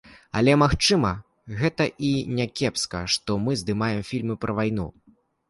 Але, магчыма, гэта і не кепска, што мы здымаем фільмы пра вайну?